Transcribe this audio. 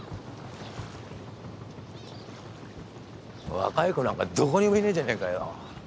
若い子なんかどこにもいねえじゃねえかよ。